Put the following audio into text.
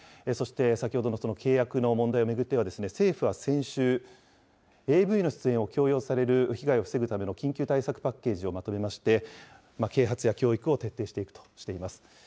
そして先ほどの契約の問題を巡っては、政府は先週、ＡＶの出演を強要される被害を防ぐための緊急対策パッケージをまとめまして、啓発や教育を徹底しているとしています。